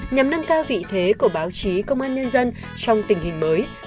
nhằm nâng cao vị thế của báo chí công an nhân dân trong tình hình mới